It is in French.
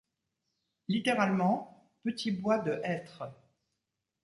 Littéralement ’’petit bois de hêtres’’.